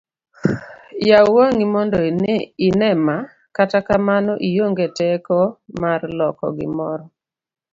yaw wang'i mondo ine ma, kata kamano ionge teko marlokogimoro